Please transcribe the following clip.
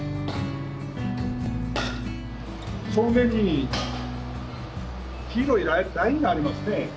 正面に黄色いラインがありますね。